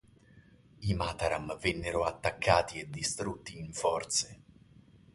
I Mataram vennero attaccati e distrutti in forze.